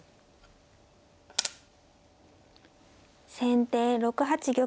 先手６八玉。